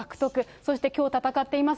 そしてきょう戦っています